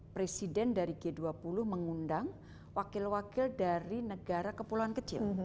presiden dari g dua puluh mengundang wakil wakil dari negara kepulauan kecil